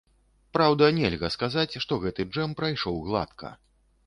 Праўда, нельга сказаць, што гэты джэм прайшоў гладка.